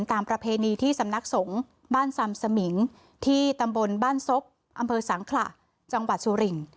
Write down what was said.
ประเพณีที่สำนักสงฆ์บ้านซำสมิงที่ตำบลบ้านซบอำเภอสังขระจังหวัดสุรินทร์